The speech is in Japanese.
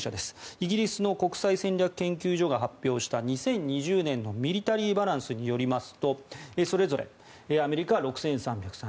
イギリスの国際戦略研究所が発表した２０２０年の「ミリタリー・バランス」によりますとそれぞれアメリカは６３３３